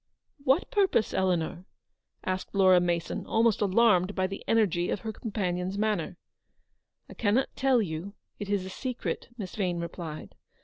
" What purpose, Eleanor ?" asked Laura Mason, almost alarmed by the energy of her companion's manner. " I cannot tell you. It is a secret/' Miss Vane replied.